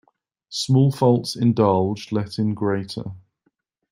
Small faults indulged let in greater.